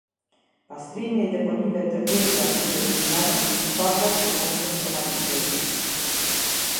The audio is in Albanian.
Pastrimi i deponive të egra të mbeturinave në fshatrat e komunës së malishevës